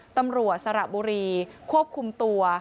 ตำรวจสระบุรีควบคุมตัว